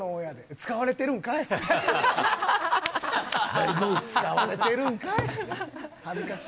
使われてるんかい。